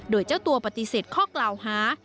โดยเจ้าตัวปฏิเสธข้อกล่าวหา